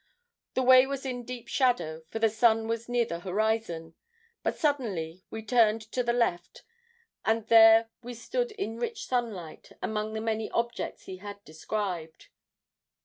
The way was in deep shadow, for the sun was near the horizon; but suddenly we turned to the left, and there we stood in rich sunlight, among the many objects he had described.